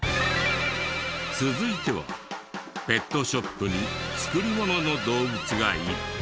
続いてはペットショップに作りものの動物が１匹。